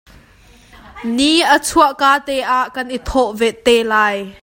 Ni a chuah ka te ah kan i thawh te lai.